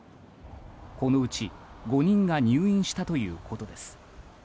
このうち５人が入院したということです。